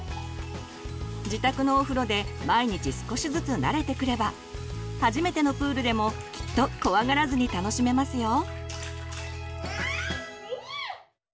自宅のお風呂で毎日少しずつ慣れてくれば初めてのプールでもきっと怖がらずに楽しめますよ。